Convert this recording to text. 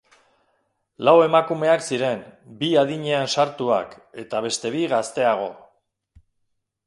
Lau emakumeak ziren, bi adinean sartuak, eta beste bi gazteago.